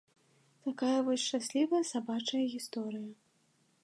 Такая вось шчаслівая сабачая гісторыя.